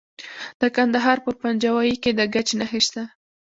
د کندهار په پنجوايي کې د ګچ نښې شته.